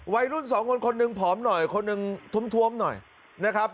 วัยรุ่นสองคนคนหนึ่งผอมหน่อยคนหนึ่งท้วมหน่อยนะครับ